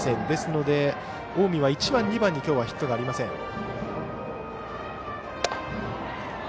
ですので近江は１番、２番に今日ヒットがありません。